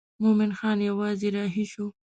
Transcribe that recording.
مومن خان یوازې رهي شو.